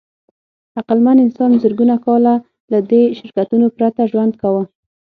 عقلمن انسان زرګونه کاله له دې شرکتونو پرته ژوند کاوه.